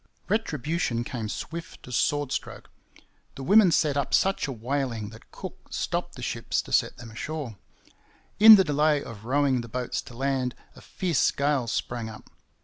Retribution came swift as sword stroke. The women set up such a wailing that Cook stopped the ships to set them ashore. In the delay of rowing the boats to land a fierce gale sprang up.